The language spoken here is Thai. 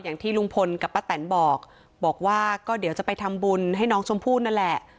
อย่างที่ลุงพลกับป้าแตนบอกบอกว่าก็เดี๋ยวจะไปทำบุญให้น้องชมพู่นั่นแหละ